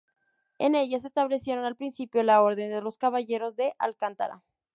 En ella se establecieron al principio la Orden de los Caballeros de Alcántara.